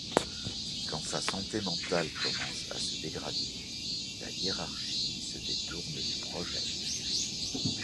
Quand sa santé mentale commence à se dégrader, la hiérarchie se détourne du projet.